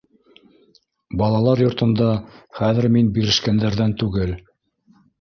Балалар йортонда хәҙер мин бирешкәндәрҙән түгел.